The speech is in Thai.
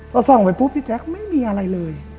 พอส่องไปปุ๊บพี่แจ๊คไม่มีอะไรเลย